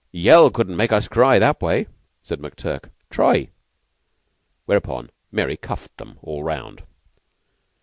Yell couldn't make us cry that way," said McTurk. "Try." Whereupon Mary cuffed them all round.